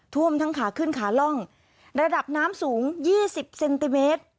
ท่วมทั้งขาขึ้นขาล่องระดับน้ำสูงยี่สิบเซนติเมตร